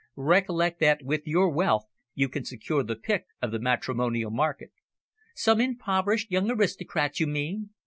"Recollect that with your wealth you can secure the pick of the matrimonial market." "Some impoverished young aristocrat, you mean?